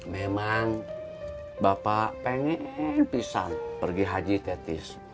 memang bapak pengen pisang pergi haji tetis